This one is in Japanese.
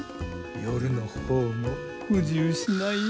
夜の方も不自由しないよ。